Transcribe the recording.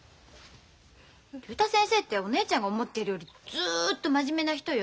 竜太先生ってお姉ちゃんが思ってるよりずっと真面目な人よ。